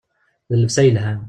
D llebsa yelhan.